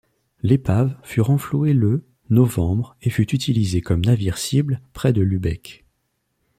L'épave fut renflouée le novembre et fut utilisée comme navire cible près de Lübeck.